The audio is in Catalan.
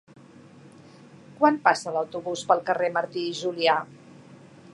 Quan passa l'autobús pel carrer Martí i Julià?